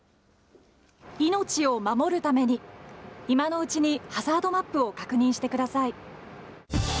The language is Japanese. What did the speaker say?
命を守るために、今のうちに、ハザードマップを確認してください。